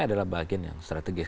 adalah bagian yang strategis